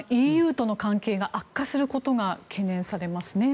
ＥＵとの関係が悪化することが懸念されますね。